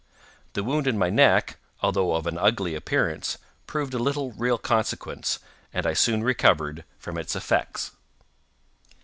The wound in my neck, although of an ugly appearance, proved of little real consequence, and I soon recovered from its effects.